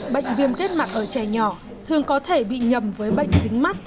bệnh viêm kết mặt ở trẻ nhỏ thường có thể bị nhầm với bệnh dính mắt